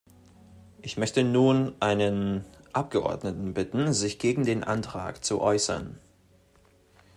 Ich möchte nun einen Abgeordneten bitten, sich gegen den Antrag zu äußern.